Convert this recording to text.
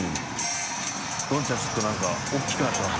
どんちゃんちょっと何か大きくなってますね。）